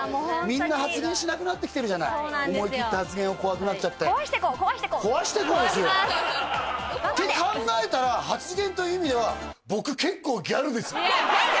みんな発言しなくなってきてるじゃない思い切った発言を怖くなっちゃって壊してこう壊してこう壊してこうですよって考えたら発言という意味ではギャルだよギャル